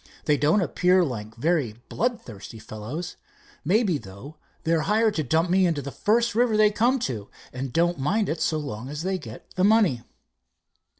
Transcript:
They don't appear like very bloodthirsty fellows. Maybe, though, they're hired to dump me into the first river they come to, and don't mind it so long as they get the money."